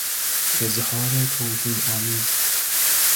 اظهار توهین آمیز